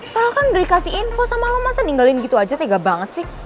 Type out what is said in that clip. paral kan udah dikasih info sama lo masa ninggalin gitu aja tega banget sih